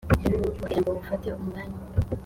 buhabwe ijambo bufate umwanya.